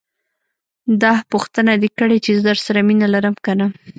داح پوښتنه دې کړې چې زه درسره مينه لرم که نه.